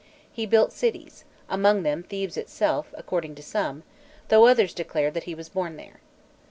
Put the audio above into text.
He built cities, among them Thebes itself, according to some; though others declared that he was born there.